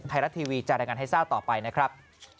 ไทรัตทีวีจากรายการไฮซ่าต่อไปนะครับ